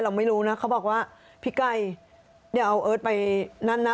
เราไม่รู้นะเขาบอกว่าพี่ไก่เดี๋ยวเอาเอิร์ทไปนั่นนะ